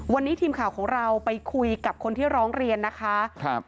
วันนี้ทีมข่าวของเราไปคุยกับคนที่ร้องเรียนนะคะครับ